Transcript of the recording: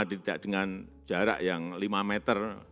tidak dengan jarak yang lima meter